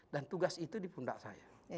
dan tugas itu di pundak saya